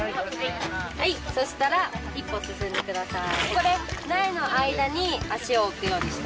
はいそしたら一歩進んでください。